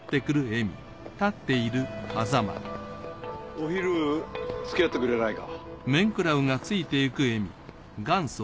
お昼つきあってくれないか？